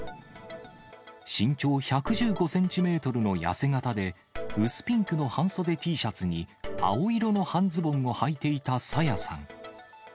身長１１５センチメートルの痩せ形で、薄ピンクの半袖Ｔシャツに青色の半ズボンをはいていた朝芽さん。